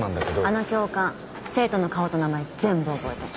あの教官生徒の顔と名前全部覚えてた。